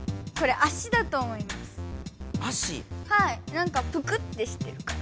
なんかプクってしてるから。